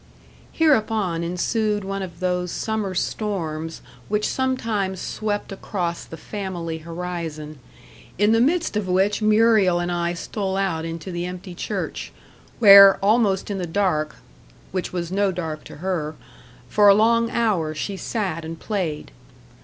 Hereupon ensued one of those summer storms which sometimes swept across the family horizon, in the midst of which Muriel and I stole out into the empty church, where, almost in the dark which was no dark to her for a long hour she sat and played.